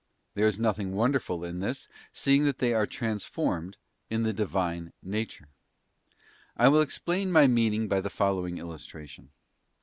There is nothing wonderful in this, seeing that they are transformed in the Divine Nature. _ I will explain my meaning by the following illustration.